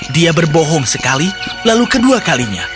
dia berbohong sekali lalu kedua kalinya